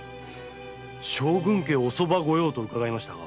将軍家お側御用と伺いましたが。